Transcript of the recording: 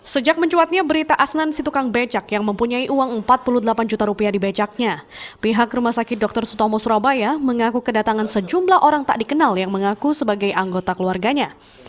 sejak mencuatnya berita asnan si tukang becak yang mempunyai uang empat puluh delapan juta rupiah di becaknya pihak rumah sakit dr sutomo surabaya mengaku kedatangan sejumlah orang tak dikenal yang mengaku sebagai anggota keluarganya